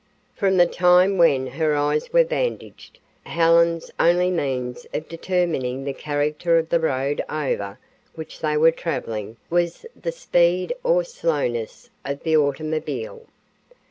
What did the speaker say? From the time when her eyes were bandaged, Helen's only means of determining the character of the road over which they were traveling was the speed or slowness of the automobile.